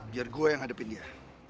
biar gue yang hadapin dia